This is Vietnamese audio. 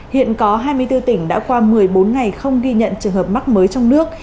hiện có hai mươi bốn tỉnh đã qua một mươi bốn ngày không ghi nhận trường hợp mắc mới trong nước